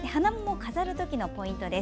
飾る時のポイントです。